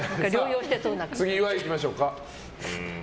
次、岩井いきましょうか。